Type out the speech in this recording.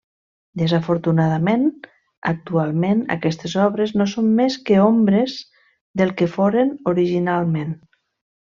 Desafortunadament, actualment aquestes obres no són més que ombres del que foren originalment.